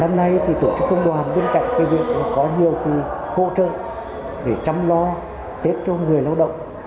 lần này thì tổ chức công đoàn bên cạnh cái việc có nhiều cái hỗ trợ để chăm lo tết cho người lao động